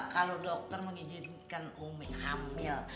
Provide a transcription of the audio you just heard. kalau dokter mengizinkan umi hamil